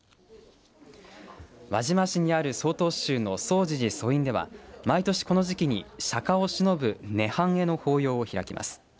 輪島市にある曹洞宗の總持寺祖院では毎年この時期に釈迦をしのぶねはん会への法要を開いています。